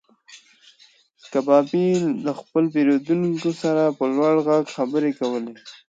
کبابي د خپل پیرودونکي سره په لوړ غږ خبرې کولې.